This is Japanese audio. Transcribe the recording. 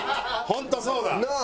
ホントそうだ。なあ。